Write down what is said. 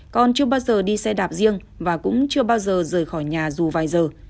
còn chưa bao giờ đi xe đạp riêng và cũng chưa bao giờ rời khỏi nhà dù vài giờ